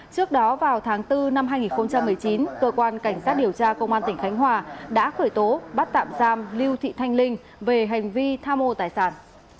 trước đó vào tháng bốn năm hai nghìn một mươi chín cơ quan cảnh sát điều tra công an tỉnh khánh hòa đã khởi tố bắt tạm giam lưu thị thanh linh về hành vi tham mô tài sản